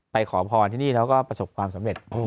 ขอพรที่นี่แล้วก็ประสบความสำเร็จ